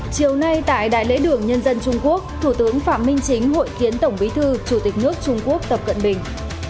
chiều nay tại đại lễ đường nhân dân trung quốc thủ tướng phạm minh chính hội kiến tổng bí thư chủ tịch nước trung quốc tập cận bình